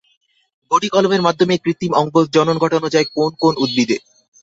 গুটিকলমের মাধ্যমে কৃত্রিম অঙ্গজ জনন ঘটানো যায় কোন কোন উদ্ভিদে?